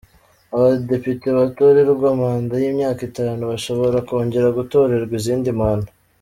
Abadepite batorerwa manda y’imyaka itanu, bashobora kongera gutorerwa izindi manda.